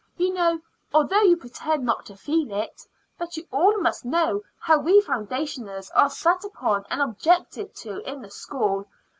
You know, although you pretend not to feel it, but you all must know how we foundationers are sat upon and objected to in the school.